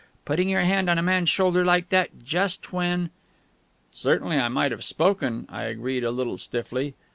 Putting your hand on a man's shoulder like that, just when ..." "Certainly I might have spoken," I agreed, a little stiffly.